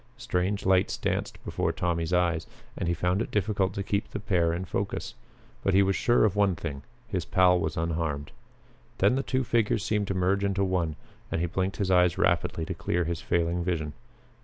Strange lights danced before Tommy's eyes, and he found it difficult to keep the pair in focus. But he was sure of one thing his pal was unharmed. Then the two figures seemed to merge into one and he blinked his eyes rapidly to clear his failing vision.